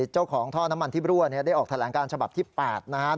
เจ้าของท่อน้ำมันที่รั่วได้ออกแถลงการฉบับที่๘นะครับ